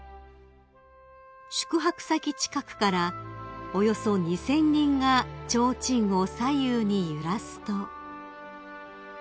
［宿泊先近くからおよそ２，０００人がちょうちんを左右に揺らすと］